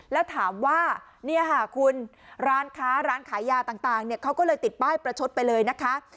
แล้วถามว่าเนี่ยค่ะคุณร้านค้าร้านขายยาต่างเขาก็เลยติดป้ายประชดไปเลยนะคะ